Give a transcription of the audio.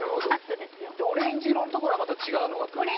オレンジ色のところはまた違うのが来るのね。